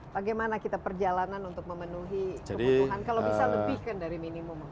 bagaimana kita perjalanan untuk memenuhi kebutuhan kalau bisa lebih kan dari minimum